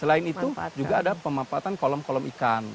selain itu juga ada pemampatan kolom kolom ikan